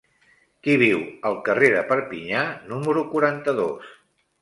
Qui viu al carrer de Perpinyà número quaranta-dos?